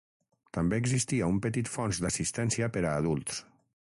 També existia un petit fons d'assistència per a adults.